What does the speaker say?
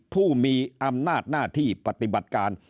ผู้มีอำนาจหน้าที่ปฏิบัติการ